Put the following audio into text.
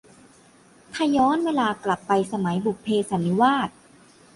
ถ้าย้อนเวลากลับไปสมัย บุพเพสันนิวาส